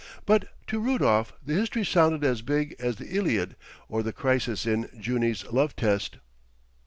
But to Rudolf the history sounded as big as the Iliad or the crisis in "Junie's Love Test."